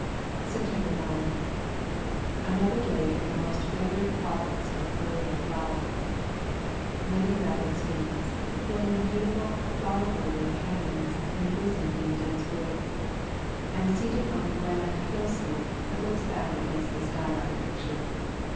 September 9. Another day in the most fa vored province of bird and flower. Many rapid streams, flowing in beautiful flower bordered canons embosomed in dense woods. Am seated on a grand hill slope that leans back against the sky like a picture.